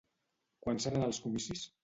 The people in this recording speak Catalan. Quan seran els comicis?